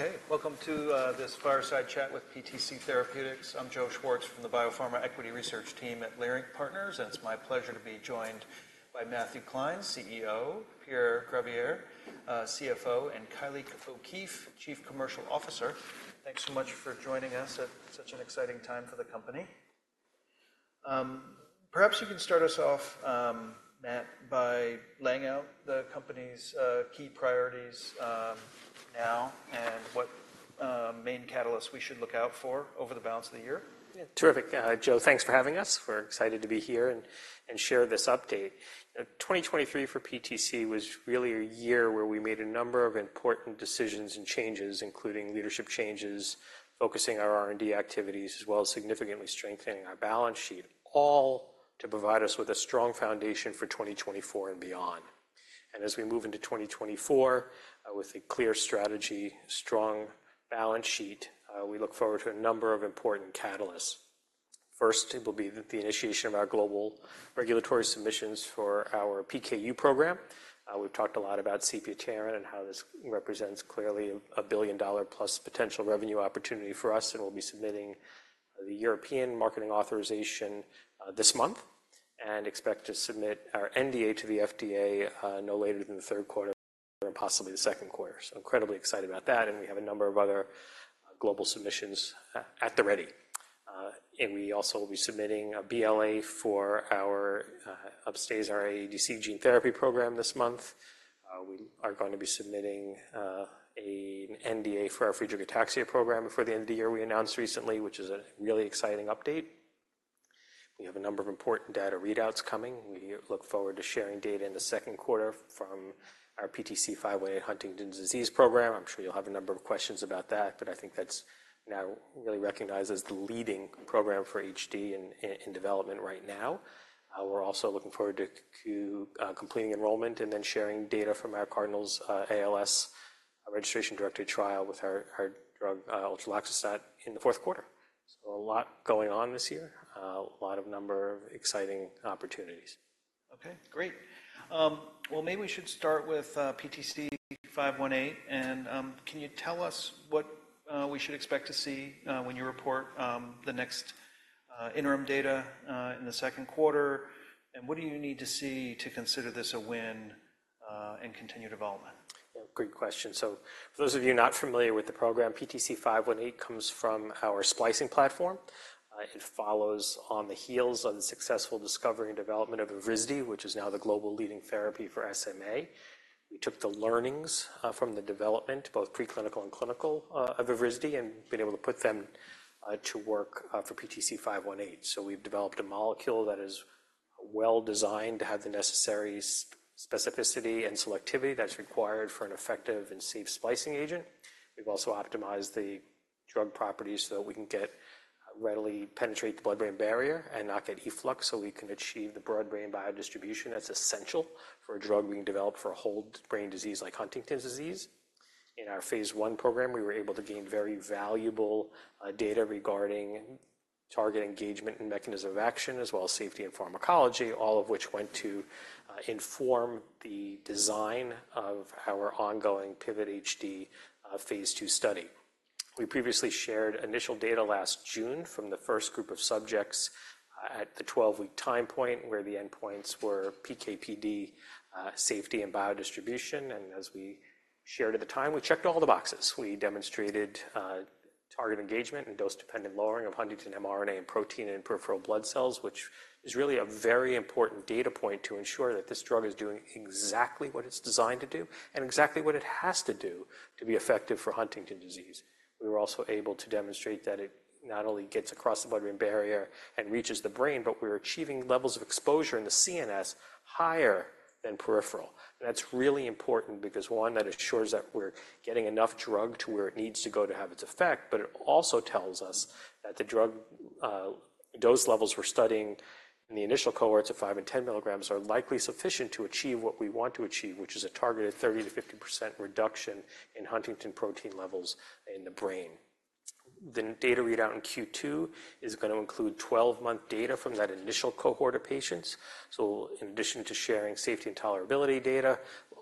Okay. Welcome to this fireside chat with PTC Therapeutics. I'm Joe Schwartz from the Biopharma Equity Research Team at Leerink Partners, and it's my pleasure to be joined by Matthew Klein, CEO, Pierre Gravier, CFO, and Kylie O'Keefe, Chief Commercial Officer. Thanks so much for joining us at such an exciting time for the company. Perhaps you can start us off, Matt, by laying out the company's key priorities now and what main catalysts we should look out for over the balance of the year. Terrific, Joe. Thanks for having us. We're excited to be here and share this update. 2023 for PTC was really a year where we made a number of important decisions and changes, including leadership changes, focusing our R&D activities, as well as significantly strengthening our balance sheet, all to provide us with a strong foundation for 2024 and beyond. And as we move into 2024 with a clear strategy, strong balance sheet, we look forward to a number of important catalysts. First, it will be the initiation of our global regulatory submissions for our PKU program. We've talked a lot about Sepiapterin and how this represents clearly a billion-dollar-plus potential revenue opportunity for us, and we'll be submitting the European Marketing Authorization this month and expect to submit our NDA to the FDA no later than the third quarter and possibly the second quarter. So incredibly excited about that, and we have a number of other global submissions at the ready. We also will be submitting a BLA for our Upstaza AADC gene therapy program this month. We are going to be submitting an NDA for our Friedreich ataxia program before the end of the year we announced recently, which is a really exciting update. We have a number of important data readouts coming. We look forward to sharing data in the second quarter from our PTC518 Huntington's disease program. I'm sure you'll have a number of questions about that, but I think that's now really recognized as the leading program for HD in development right now. We're also looking forward to completing enrollment and then sharing data from our CardinALS registration trial with our drug utreloxastat in the fourth quarter. So a lot going on this year, a lot of number of exciting opportunities. Okay. Great. Well, maybe we should start with PTC518. And can you tell us what we should expect to see when you report the next interim data in the second quarter? And what do you need to see to consider this a win and continue development? Great question. So for those of you not familiar with the program, PTC518 comes from our splicing platform. It follows on the heels of the successful discovery and development of Evrysdi, which is now the global leading therapy for SMA. We took the learnings from the development, both preclinical and clinical, of Evrysdi and been able to put them to work for PTC518. So we've developed a molecule that is well designed to have the necessary specificity and selectivity that's required for an effective and safe splicing agent. We've also optimized the drug properties so that we can readily penetrate the blood-brain barrier and not get efflux so we can achieve the blood-brain biodistribution that's essential for a drug being developed for a whole brain disease like Huntington's disease. In our phase 1 program, we were able to gain very valuable data regarding target engagement and mechanism of action, as well as safety and pharmacology, all of which went to inform the design of our ongoing PIVOT-HD phase 2 study. We previously shared initial data last June from the first group of subjects at the 12-week time point where the endpoints were PKPD safety and biodistribution. As we shared at the time, we checked all the boxes. We demonstrated target engagement and dose-dependent lowering of Huntington mRNA and protein and peripheral blood cells, which is really a very important data point to ensure that this drug is doing exactly what it's designed to do and exactly what it has to do to be effective for Huntington's disease. We were also able to demonstrate that it not only gets across the blood-brain barrier and reaches the brain, but we're achieving levels of exposure in the CNS higher than peripheral. And that's really important because, one, that assures that we're getting enough drug to where it needs to go to have its effect, but it also tells us that the drug dose levels we're studying in the initial cohorts of 5mg and 10 mg are likely sufficient to achieve what we want to achieve, which is a targeted 30%-50% reduction in Huntington protein levels in the brain. The data readout in Q2 is going to include 12-month data from that initial cohort of patients. So in addition to sharing safety and tolerability data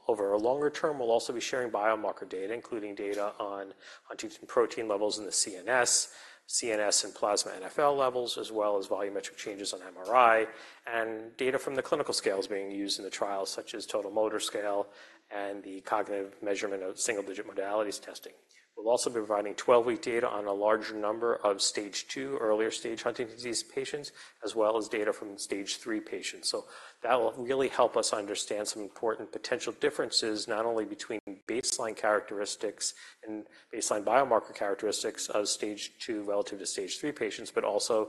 over a longer term, we'll also be sharing biomarker data, including data on huntingtin protein levels in the CNS, CNS and plasma NfL levels, as well as volumetric changes on MRI, and data from the clinical scales being used in the trial, such as total motor scale and the cognitive measurement of Symbol Digit Modalities Testing. We'll also be providing 12-week data on a larger number of stage 2, earlier stage Huntington's disease patients, as well as data from stage 3 patients. So that will really help us understand some important potential differences, not only between baseline characteristics and baseline biomarker characteristics of stage 2 relative to stage 3 patients, but also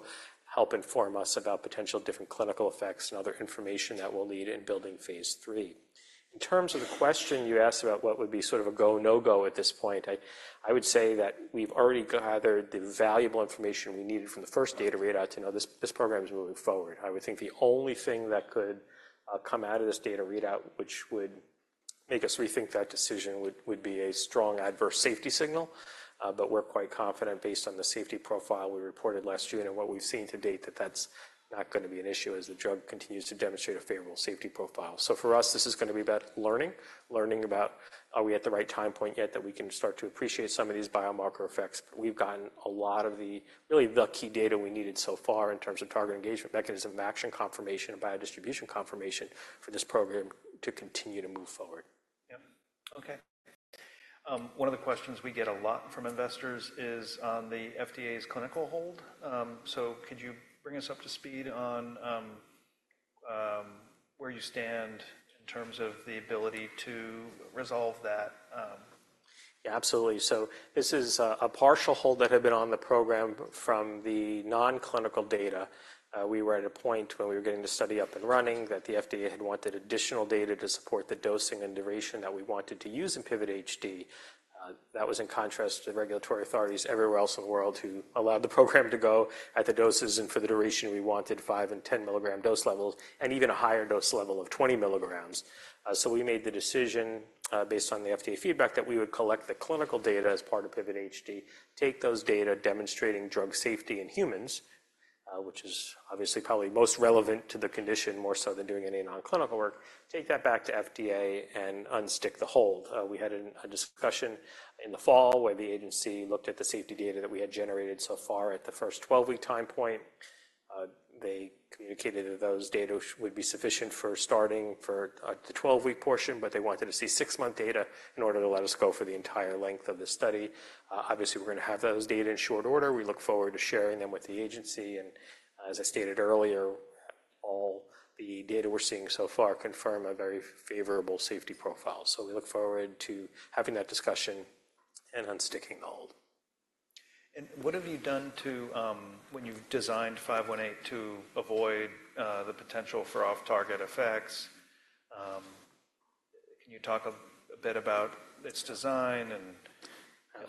help inform us about potential different clinical effects and other information that will lead in building phase 3. In terms of the question you asked about what would be sort of a go-no-go at this point, I would say that we've already gathered the valuable information we needed from the first data readout to know this program is moving forward. I would think the only thing that could come out of this data readout, which would make us rethink that decision, would be a strong adverse safety signal. But we're quite confident based on the safety profile we reported last June and what we've seen to date that that's not going to be an issue as the drug continues to demonstrate a favorable safety profile. So for us, this is going to be about learning, learning about are we at the right time point yet that we can start to appreciate some of these biomarker effects. But we've gotten a lot of the really key data we needed so far in terms of target engagement, mechanism of action, confirmation, and biodistribution confirmation for this program to continue to move forward. Yeah. Okay. One of the questions we get a lot from investors is on the FDA's clinical hold. So could you bring us up to speed on where you stand in terms of the ability to resolve that? Yeah, absolutely. So this is a partial hold that had been on the program from the non-clinical data. We were at a point when we were getting the study up and running that the FDA had wanted additional data to support the dosing and duration that we wanted to use in PIVOT-HD. That was in contrast to the regulatory authorities everywhere else in the world who allowed the program to go at the doses and for the duration we wanted 5mg and 10 mg dose levels and even a higher dose level of 20 mg. We made the decision based on the FDA feedback that we would collect the clinical data as part of PIVOT-HD, take those data demonstrating drug safety in humans, which is obviously probably most relevant to the condition more so than doing any non-clinical work, take that back to FDA and unstick the hold. We had a discussion in the fall where the agency looked at the safety data that we had generated so far at the first 12-week time point. They communicated that those data would be sufficient for starting for the 12-week portion, but they wanted to see six-month data in order to let us go for the entire length of the study. Obviously, we're going to have those data in short order. We look forward to sharing them with the agency. As I stated earlier, all the data we're seeing so far confirm a very favorable safety profile. We look forward to having that discussion and unsticking the hold. What have you done, when you've designed 518, to avoid the potential for off-target effects? Can you talk a bit about its design and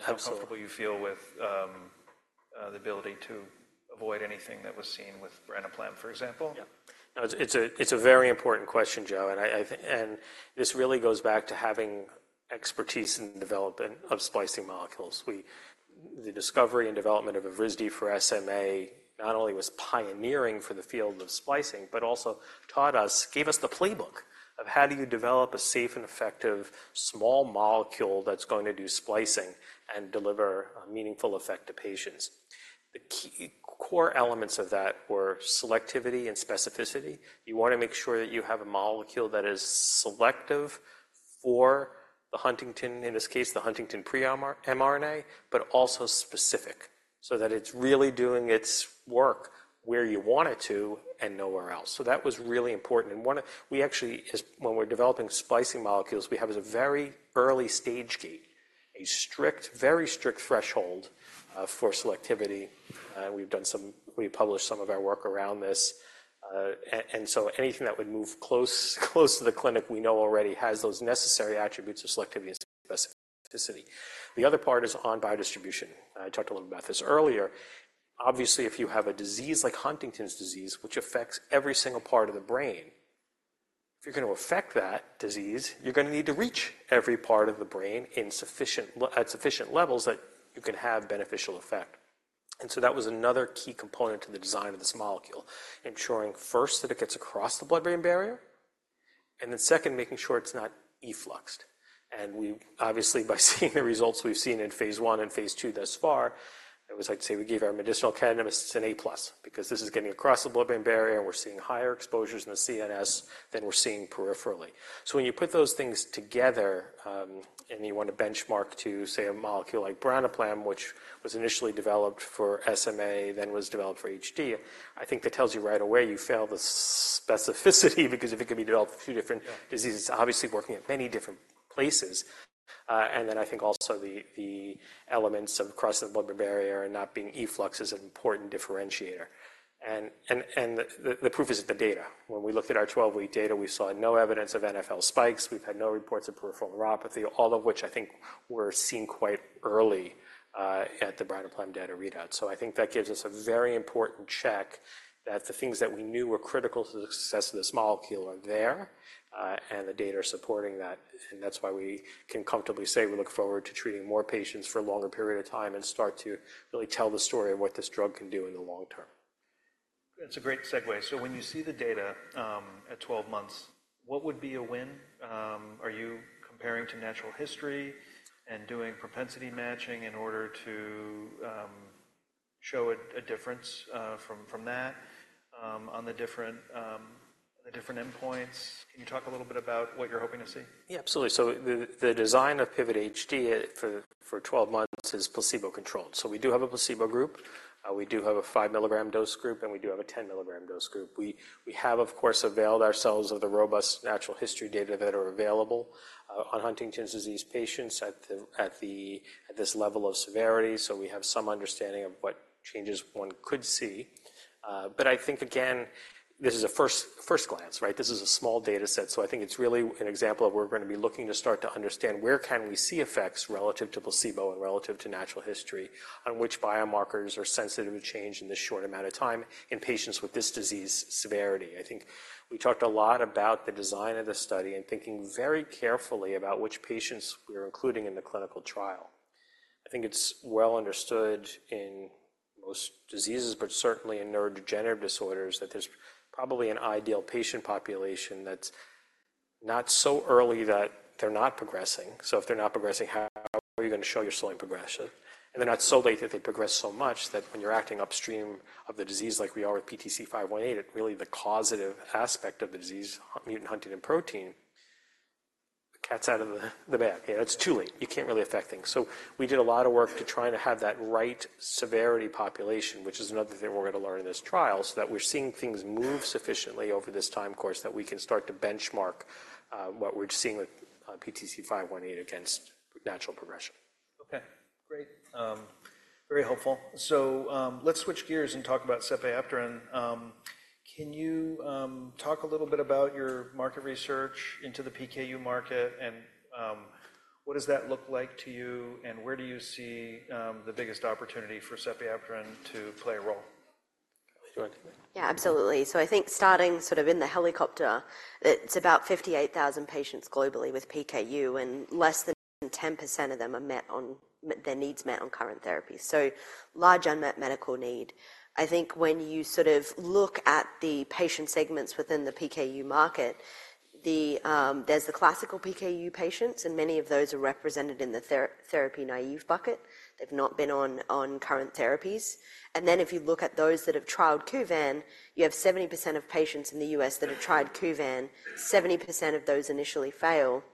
how comfortable you feel with the ability to avoid anything that was seen with Branaplam, for example? Yeah. No, it's a very important question, Joe. This really goes back to having expertise in the development of splicing molecules. The discovery and development of Evrysdi for SMA not only was pioneering for the field of splicing, but also taught us, gave us the playbook of how do you develop a safe and effective small molecule that's going to do splicing and deliver a meaningful effect to patients. The core elements of that were selectivity and specificity. You want to make sure that you have a molecule that is selective for the Huntington, in this case, the Huntington pre-mRNA, but also specific so that it's really doing its work where you want it to and nowhere else. So that was really important. When we're developing splicing molecules, we have as a very early stage gate, a very strict threshold for selectivity. We've published some of our work around this. So anything that would move close to the clinic, we know already has those necessary attributes of selectivity and specificity. The other part is on biodistribution. I talked a little bit about this earlier. Obviously, if you have a disease like Huntington's disease, which affects every single part of the brain, if you're going to affect that disease, you're going to need to reach every part of the brain at sufficient levels that you can have beneficial effect. So that was another key component to the design of this molecule, ensuring first that it gets across the blood-brain barrier and then second, making sure it's not effluxed. Obviously, by seeing the results we've seen in phase 1 and phase 2 thus far, it was like to say we gave our medicinal cannabis an A+ because this is getting across the blood-brain barrier and we're seeing higher exposures in the CNS than we're seeing peripherally. So when you put those things together and you want to benchmark to, say, a molecule like Branaplam, which was initially developed for SMA, then was developed for HD, I think that tells you right away you fail the specificity because if it could be developed for two different diseases, obviously working at many different places. And then I think also the elements of crossing the blood-brain barrier and not being efflux is an important differentiator. And the proof is in the data. When we looked at our 12-week data, we saw no evidence of NfL spikes. We've had no reports of peripheral neuropathy, all of which I think were seen quite early at the Branaplam data readout. So I think that gives us a very important check that the things that we knew were critical to the success of this molecule are there and the data are supporting that. And that's why we can comfortably say we look forward to treating more patients for a longer period of time and start to really tell the story of what this drug can do in the long term. That's a great segue. So when you see the data at 12 months, what would be a win? Are you comparing to natural history and doing propensity matching in order to show a difference from that on the different endpoints? Can you talk a little bit about what you're hoping to see? Yeah, absolutely. So the design of PIVOT-HD for 12 months is placebo-controlled. So we do have a placebo group. We do have a 5 mg dose group, and we do have a 10 mg dose group. We have, of course, availed ourselves of the robust natural history data that are available on Huntington's disease patients at this level of severity. So we have some understanding of what changes one could see. But I think, again, this is a first glance, right? This is a small data set. So I think it's really an example of we're going to be looking to start to understand where can we see effects relative to placebo and relative to natural history on which biomarkers are sensitive to change in this short amount of time in patients with this disease severity. I think we talked a lot about the design of the study and thinking very carefully about which patients we're including in the clinical trial. I think it's well understood in most diseases, but certainly in neurodegenerative disorders, that there's probably an ideal patient population that's not so early that they're not progressing. So if they're not progressing, how are you going to show you're slowing progression? And they're not so late that they progress so much that when you're acting upstream of the disease like we are with PTC518, it really the causative aspect of the disease, mutant huntingtin protein, cat's out of the bag. Yeah, that's too late. You can't really affect things. So we did a lot of work to try and have that right severity population, which is another thing we're going to learn in this trial, so that we're seeing things move sufficiently over this time course that we can start to benchmark what we're seeing with PTC518 against natural progression. Okay. Great. Very helpful. Let's switch gears and talk about sepiapterin. Can you talk a little bit about your market research into the PKU market and what does that look like to you and where do you see the biggest opportunity for sepiapterin to play a role? Yeah, absolutely. So I think starting sort of in the helicopter, it's about 58,000 patients globally with PKU, and less than 10% of them have their needs met on current therapy. So large unmet medical need. I think when you sort of look at the patient segments within the PKU market, there's the classical PKU patients, and many of those are represented in the therapy-naive bucket. They've not been on current therapies. And then if you look at those that have trialed Kuvan, you have 70% of patients in the U.S. that have tried Kuvan. 70% of those initially fail,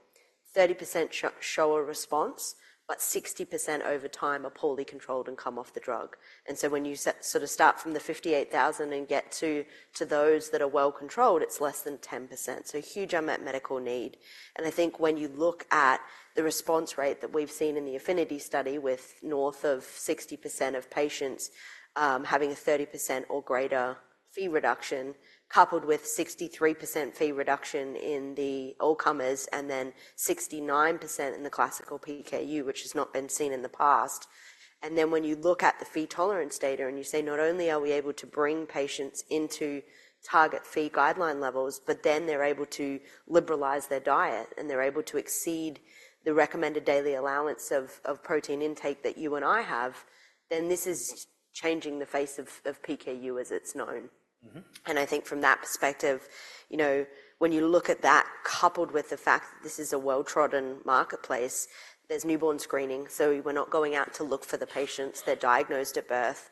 30% show a response, but 60% over time are poorly controlled and come off the drug. And so when you sort of start from the 58,000 and get to those that are well controlled, it's less than 10%. So huge unmet medical need. And I think when you look at the response rate that we've seen in the APHINITY study with north of 60% of patients having a 30% or greater Phe reduction coupled with 63% Phe reduction in the all comers and then 69% in the classical PKU, which has not been seen in the past. And then when you look at the Phe tolerance data and you say, "Not only are we able to bring patients into target Phe guideline levels, but then they're able to liberalize their diet and they're able to exceed the recommended daily allowance of protein intake that you and I have," then this is changing the face of PKU as it's known. And I think from that perspective, when you look at that coupled with the fact that this is a well-trodden marketplace, there's newborn screening. So we're not going out to look for the patients. They're diagnosed at birth.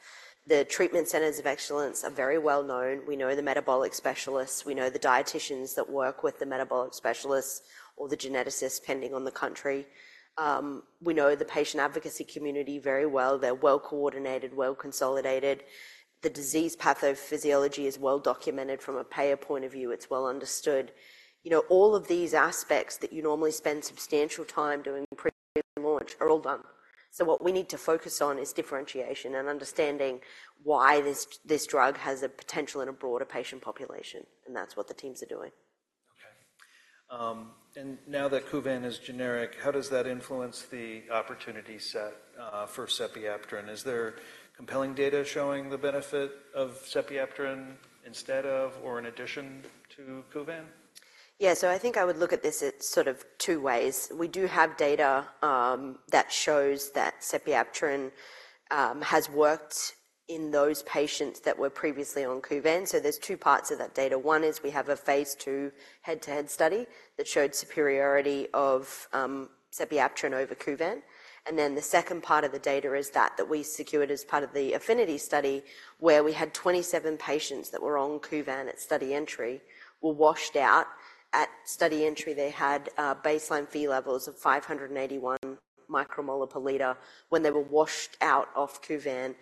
The treatment centers of excellence are very well known. We know the metabolic specialists. We know the dietitians that work with the metabolic specialists or the geneticists depending on the country. We know the patient advocacy community very well. They're well-coordinated, well-consolidated. The disease pathophysiology is well-documented from a payer point of view. It's well understood. All of these aspects that you normally spend substantial time doing pre-launch are all done. So what we need to focus on is differentiation and understanding why this drug has a potential in a broader patient population. That's what the teams are doing. Okay. And now that Kuvan is generic, how does that influence the opportunity set for sepiapterin? Is there compelling data showing the benefit of sepiapterin instead of or in addition to Kuvan? Yeah. So I think I would look at this in sort of two ways. We do have data that shows that sepiapterin has worked in those patients that were previously on Kuvan. So there's two parts of that data. One is we have a phase 2 head-to-head study that showed superiority of sepiapterin over Kuvan. And then the second part of the data is that we secured as part of the Affinity study where we had 27 patients that were on Kuvan at study entry were washed out. At study entry, they had baseline Phe levels of 581 micromolar per liter. When they were washed out off Kuvan,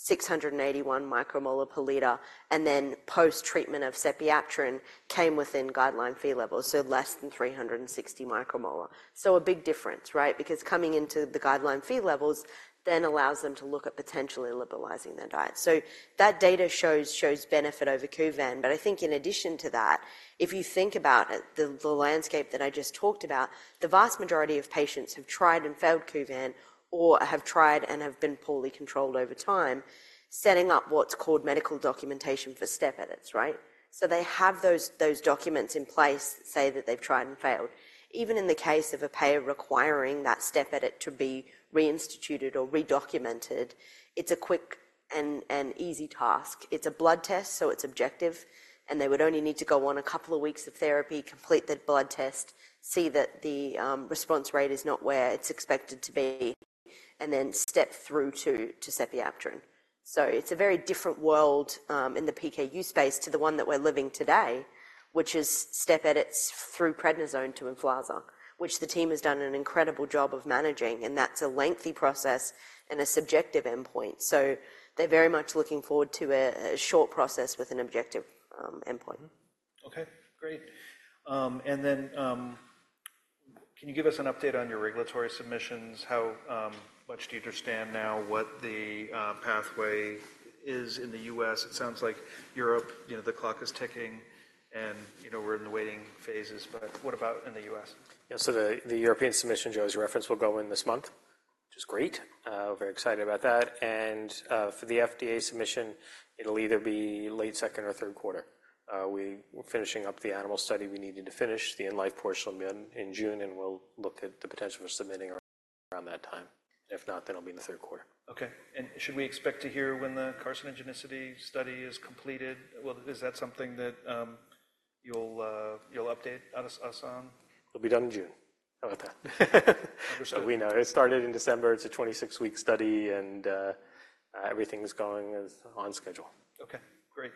681 micromolar per liter, and then post-treatment of sepiapterin came within guideline Phe levels, so less than 360 micromolar. So a big difference, right? Because coming into the guideline Phe levels then allows them to look at potentially liberalizing their diet. So that data shows benefit over Kuvan. But I think in addition to that, if you think about the landscape that I just talked about, the vast majority of patients have tried and failed Kuvan or have tried and have been poorly controlled over time, setting up what's called medical documentation for step edits, right? So they have those documents in place that say that they've tried and failed. Even in the case of a payer requiring that step edit to be reinstituted or redocumented, it's a quick and easy task. It's a blood test, so it's objective. And they would only need to go on a couple of weeks of therapy, complete that blood test, see that the response rate is not where it's expected to be, and then step through to sepiapterin. It's a very different world in the PKU space to the one that we're living today, which is step edits through prednisone to Emflaza, which the team has done an incredible job of managing. That's a lengthy process and a subjective endpoint. They're very much looking forward to a short process with an objective endpoint. Okay. Great. And then can you give us an update on your regulatory submissions? How much do you understand now what the pathway is in the U.S.? It sounds like Europe, the clock is ticking, and we're in the waiting phases. But what about in the U.S.? Yeah. So the European submission, Joe's reference, will go in this month, which is great. We're very excited about that. And for the FDA submission, it'll either be late second or third quarter. We're finishing up the animal study we needed to finish, the in-life portion in June, and we'll look at the potential for submitting around that time. If not, then it'll be in the third quarter. Okay. Should we expect to hear when the carcinogenicity study is completed? Well, is that something that you'll update us on? It'll be done in June. How about that? We know. It started in December. It's a 26-week study, and everything's going on schedule. Okay. Great.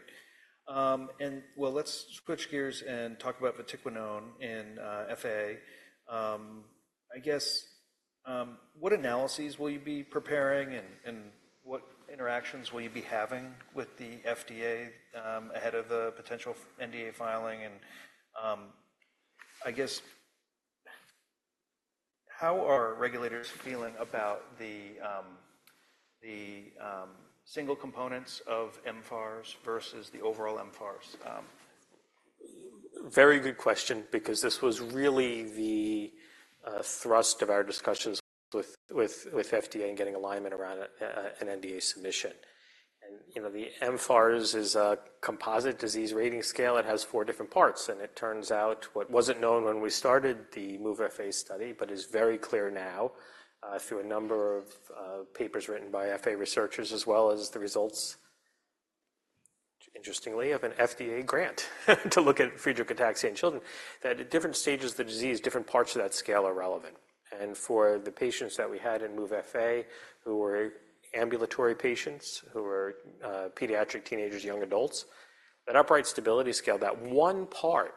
And well, let's switch gears and talk about vatiquinone in FA. I guess, what analyses will you be preparing, and what interactions will you be having with the FDA ahead of the potential NDA filing? And I guess, how are regulators feeling about the single components of mFARS versus the overall mFARS? Very good question because this was really the thrust of our discussions with FDA and getting alignment around an NDA submission. And the mFARS is a composite disease rating scale. It has four different parts. And it turns out what wasn't known when we started the MOVE-FA study, but is very clear now through a number of papers written by FA researchers, as well as the results, interestingly, of an FDA grant to look at Friedreich ataxian children, that at different stages of the disease, different parts of that scale are relevant. And for the patients that we had in MOVE-FA who were ambulatory patients, who were pediatric teenagers, young adults, that upright stability scale, that one part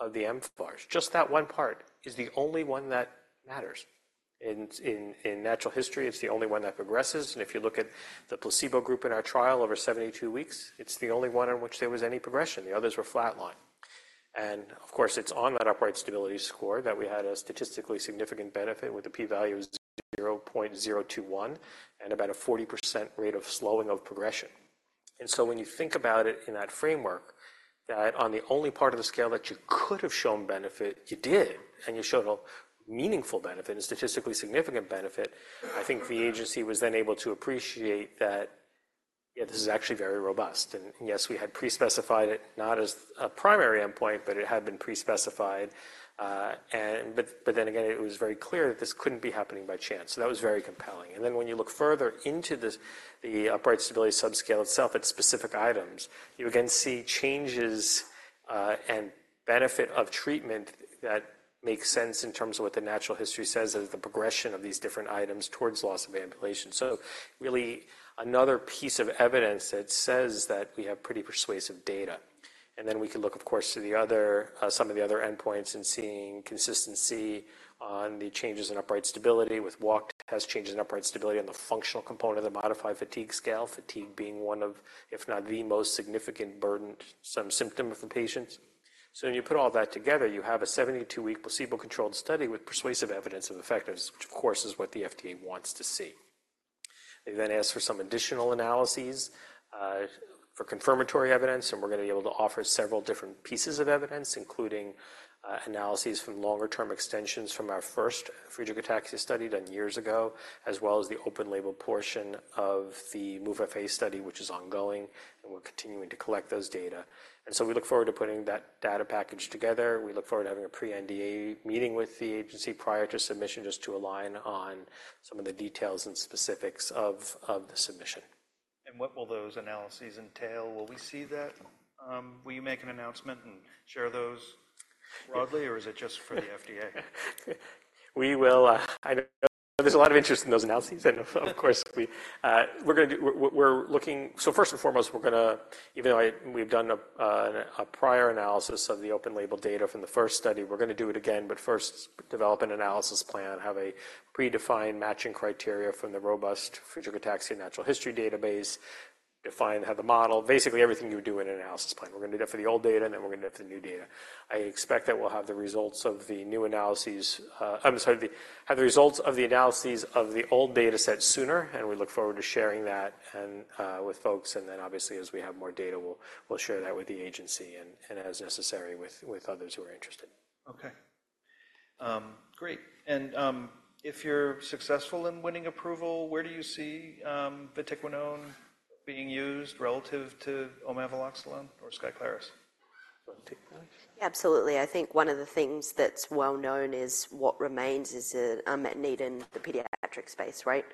of the mFARS, just that one part, is the only one that matters. In natural history, it's the only one that progresses. And if you look at the placebo group in our trial over 72 weeks, it's the only one on which there was any progression. The others were flatline. And of course, it's on that Upright Stability Score that we had a statistically significant benefit with a p-value of 0.021 and about a 40% rate of slowing of progression. And so when you think about it in that framework, that on the only part of the scale that you could have shown benefit, you did, and you showed a meaningful benefit and statistically significant benefit, I think the agency was then able to appreciate that, yeah, this is actually very robust. And yes, we had pre-specified it not as a primary endpoint, but it had been pre-specified. But then again, it was very clear that this couldn't be happening by chance. So that was very compelling. Then when you look further into the upright stability subscale itself at specific items, you again see changes and benefit of treatment that make sense in terms of what the natural history says as the progression of these different items towards loss of ambulation. So really, another piece of evidence that says that we have pretty persuasive data. And then we could look, of course, to some of the other endpoints and seeing consistency on the changes in upright stability with walk tests, changes in upright stability on the functional component of the modified fatigue scale, fatigue being one of, if not the most significant burden, some symptom of the patients. So when you put all that together, you have a 72-week placebo-controlled study with persuasive evidence of effectiveness, which, of course, is what the FDA wants to see. They then asked for some additional analyses for confirmatory evidence. We're going to be able to offer several different pieces of evidence, including analyses from longer-term extensions from our first Friedreich ataxia study done years ago, as well as the open-label portion of the MOVE-FA study, which is ongoing. We're continuing to collect those data. So we look forward to putting that data package together. We look forward to having a pre-NDA meeting with the agency prior to submission just to align on some of the details and specifics of the submission. What will those analyses entail? Will we see that? Will you make an announcement and share those broadly, or is it just for the FDA? I know there's a lot of interest in those analyses. And of course, we're going to do so first and foremost, we're going to even though we've done a prior analysis of the open-label data from the first study, we're going to do it again, but first develop an analysis plan, have a predefined matching criteria from the robust Friedreich ataxia natural history database, define how the model, basically everything you would do in an analysis plan. We're going to do that for the old data, and then we're going to do that for the new data. I expect that we'll have the results of the new analyses I'm sorry, have the results of the analyses of the old dataset sooner. And we look forward to sharing that with folks. And then obviously, as we have more data, we'll share that with the agency and as necessary with others who are interested. Okay. Great. And if you're successful in winning approval, where do you see vatiquinone being used relative to omaveloxolone or Skyclarys? Yeah, absolutely. I think one of the things that's well known is what remains is an unmet need in the pediatric space, right?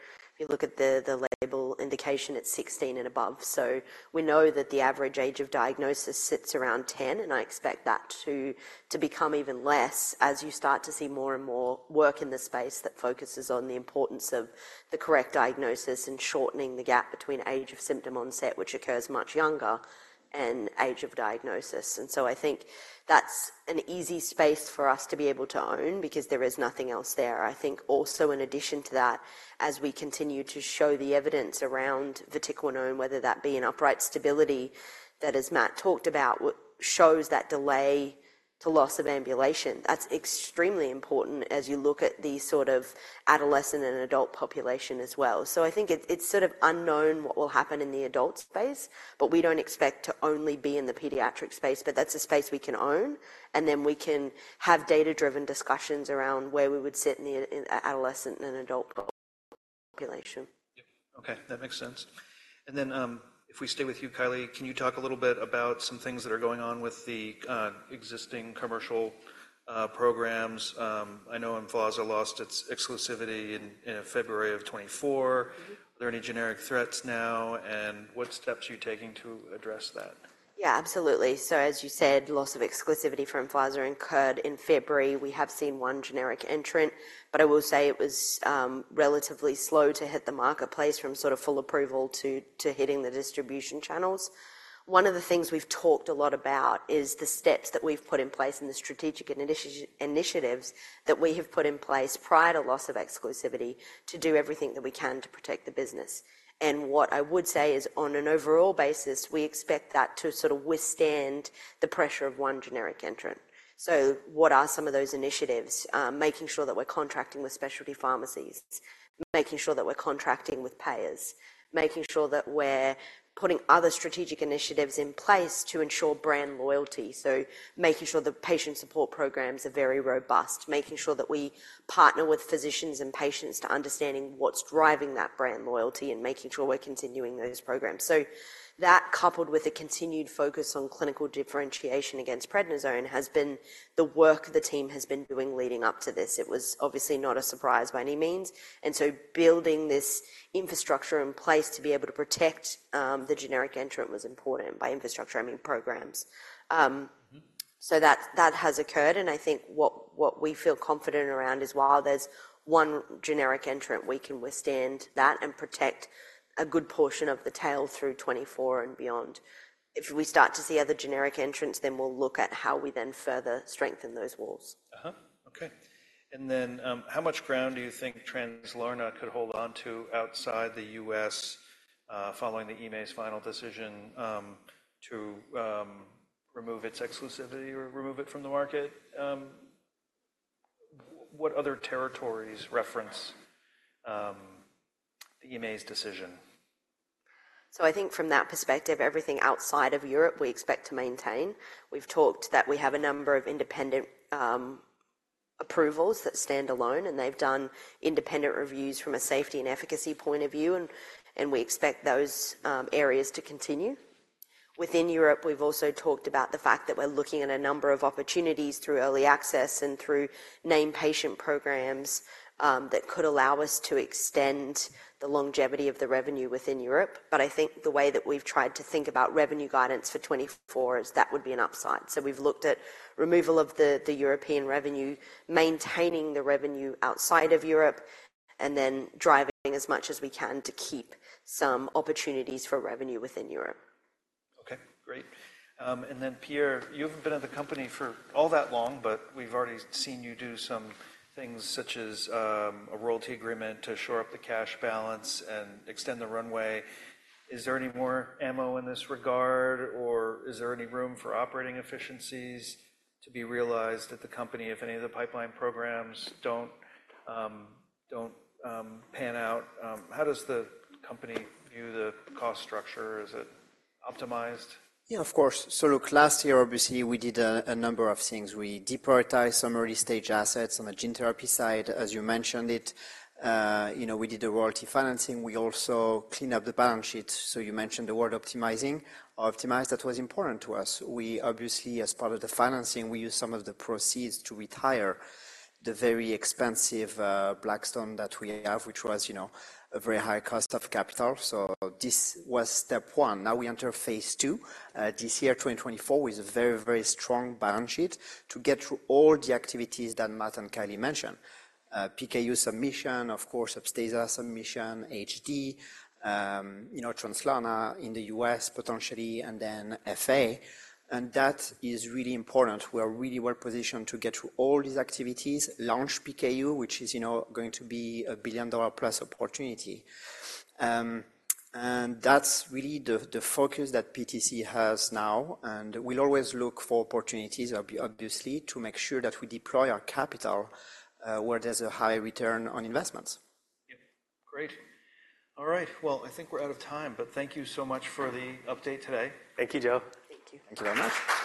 If you look at the label indication, it's 16 and above. So we know that the average age of diagnosis sits around 10, and I expect that to become even less as you start to see more and more work in the space that focuses on the importance of the correct diagnosis and shortening the gap between age of symptom onset, which occurs much younger, and age of diagnosis. And so I think that's an easy space for us to be able to own because there is nothing else there. I think also in addition to that, as we continue to show the evidence around vatiquinone, whether that be an upright stability that, as Matt talked about, shows that delay to loss of ambulation, that's extremely important as you look at the sort of adolescent and adult population as well. So I think it's sort of unknown what will happen in the adult space, but we don't expect to only be in the pediatric space. But that's a space we can own. And then we can have data-driven discussions around where we would sit in the adolescent and adult population. Yeah. Okay. That makes sense. And then if we stay with you, Kylie, can you talk a little bit about some things that are going on with the existing commercial programs? I know Emflaza lost its exclusivity in February of 2024. Are there any generic threats now? And what steps are you taking to address that? Yeah, absolutely. So as you said, loss of exclusivity for Emflaza is incurred in February. We have seen one generic entrant. But I will say it was relatively slow to hit the marketplace from sort of full approval to hitting the distribution channels. One of the things we've talked a lot about is the steps that we've put in place and the strategic initiatives that we have put in place prior to loss of exclusivity to do everything that we can to protect the business. What I would say is on an overall basis, we expect that to sort of withstand the pressure of one generic entrant. So what are some of those initiatives? Making sure that we're contracting with specialty pharmacies, making sure that we're contracting with payers, making sure that we're putting other strategic initiatives in place to ensure brand loyalty. So making sure that patient support programs are very robust, making sure that we partner with physicians and patients to understanding what's driving that brand loyalty and making sure we're continuing those programs. So that coupled with a continued focus on clinical differentiation against prednisone has been the work the team has been doing leading up to this. It was obviously not a surprise by any means. And so building this infrastructure in place to be able to protect the generic entrant was important. And by infrastructure, I mean programs. So that has occurred. And I think what we feel confident around is while there's one generic entrant, we can withstand that and protect a good portion of the tail through 2024 and beyond. If we start to see other generic entrants, then we'll look at how we then further strengthen those walls. Okay. How much ground do you think Translarna could hold onto outside the U.S. following the EMA's final decision to remove its exclusivity or remove it from the market? What other territories reference the EMA's decision? From that perspective, everything outside of Europe, we expect to maintain. We've talked that we have a number of independent approvals that stand alone, and they've done independent reviews from a safety and efficacy point of view. And we expect those areas to continue. Within Europe, we've also talked about the fact that we're looking at a number of opportunities through early access and through named patient programs that could allow us to extend the longevity of the revenue within Europe. But I think the way that we've tried to think about revenue guidance for 2024 is that would be an upside. So we've looked at removal of the European revenue, maintaining the revenue outside of Europe, and then driving as much as we can to keep some opportunities for revenue within Europe. Okay. Great. And then Pierre, you haven't been at the company for all that long, but we've already seen you do some things such as a royalty agreement to shore up the cash balance and extend the runway. Is there any more ammo in this regard, or is there any room for operating efficiencies to be realized at the company, if any of the pipeline programs don't pan out? How does the company view the cost structure? Is it optimized? Yeah, of course. So look, last year, obviously, we did a number of things. We deprioritized some early-stage assets on the gene therapy side, as you mentioned it. We did the royalty financing. We also cleaned up the balance sheet. So you mentioned the word optimizing. Optimized, that was important to us. Obviously, as part of the financing, we used some of the proceeds to retire the very expensive Blackstone that we have, which was a very high cost of capital. So this was step one. Now we enter phase two this year, 2024, with a very, very strong balance sheet to get through all the activities that Matt and Kylie mentioned: PKU submission, of course, of Upstaza submission, HD, Translarna in the U.S. potentially, and then FA. And that is really important. We are really well positioned to get through all these activities, launch PKU, which is going to be a billion-dollar-plus opportunity. That's really the focus that PTC has now. We'll always look for opportunities, obviously, to make sure that we deploy our capital where there's a high return on investments. Yeah. Great. All right. Well, I think we're out of time, but thank you so much for the update today. Thank you, Joe. Thank you. Thank you very much.